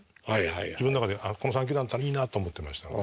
自分の中でこの３球団だったらいいなと思ってましたね。